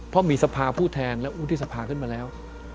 เพราะมีสภาผู้แทนและวุฒิสภาขึ้นมาแล้ว